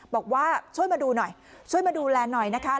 บอกว่าช่วยมาดูหน่อยช่วยมาดูแลหน่อยนะคะ